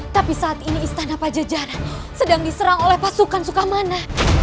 tapi saat ini istana pajajaran sedang diserang oleh pasukan sukamana